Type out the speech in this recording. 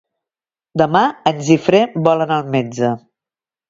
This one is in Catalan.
Demà en Guifré vol anar al metge.